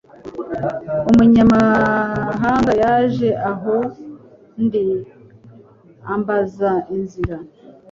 Umunyamahanga yaje aho ndi ambaza inzira.